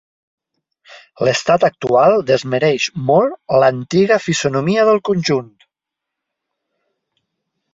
L'estat actual desmereix molt l'antiga fisonomia del conjunt.